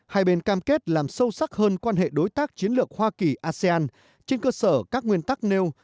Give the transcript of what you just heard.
hai bên cam kết làm sâu sắc hơn quan hệ đối tác chiến lược hoa kỳ asean trên cơ sở các nguyên tắc nêu